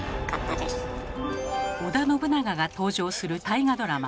織田信長が登場する大河ドラマ